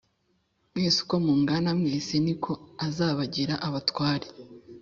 mwese uko mungana Mwese ni ko azabagira abatware